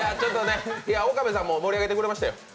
岡部さんも盛り上げてくれましたよ。